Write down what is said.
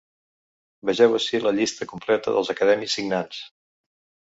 Vegeu ací la llista completa dels acadèmics signants.